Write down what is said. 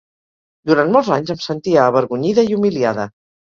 Durant molts anys em sentia avergonyida i humiliada.